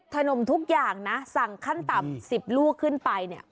ขนมทุกอย่างนะสั่งขั้นต่ำ๑๐ลูกขึ้นไปเนี่ย